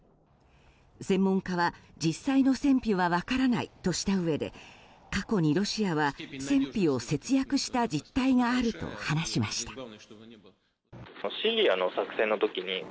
専門家は実際の戦費は分からないとしたうえで過去にロシアは戦費を節約した実態があると話しました。